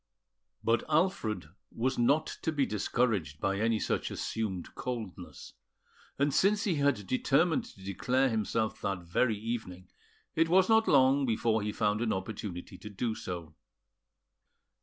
But Alfred was not to be discouraged by any such assumed coldness; and since he had determined to declare himself that very evening, it was not long before he found an opportunity to do so.